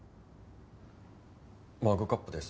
マグカップです。